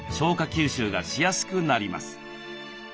吸収がしやすくなります。